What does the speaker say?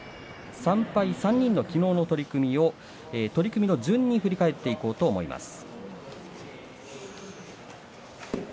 ３敗の３人の取組を取組の順に振り返っていこうと思います。